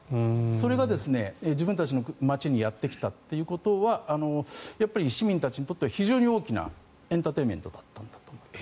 それが自分たちの街にやってきたということは市民たちにとっては非常に大きなエンターテインメントだったんだと思います。